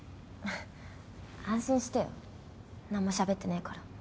安心してよ何もしゃべってないから。